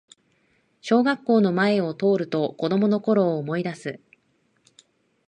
小学校の前を通ると子供のころを思いだす